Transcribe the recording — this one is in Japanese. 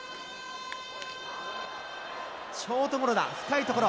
ショートゴロだ、深い所。